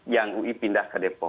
yang ui pindah ke depok